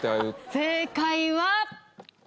正解は。